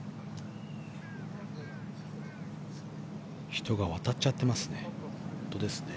人が渡っちゃってますね。